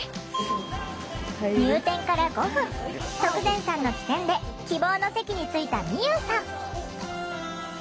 入店から５分徳善さんの機転で希望の席に着いたみゆうさん。